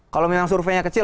kalau memang surveinya kecil